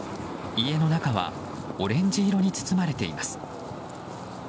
家の中はオレンジ色に包まれています。